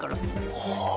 はあ。